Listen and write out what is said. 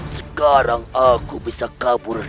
sekarang aku bisa kabur